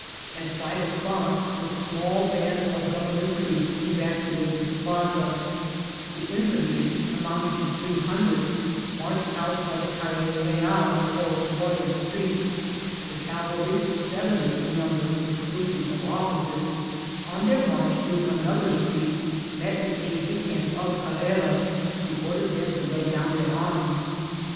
At five o'clock the small band of goyemment troops eyaooated the plaza« The infiBrntry, amounting to three hundred, marched out by the Calle Beal, ov Boyal street The cavalry, seventy in number, exclusive of officers, on their march through another street, met an aiddecamp of Carrera, who ordered them to lay down their arms.